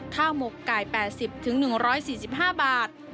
ข้าวหมกไก่๘๐๑๔๕บาท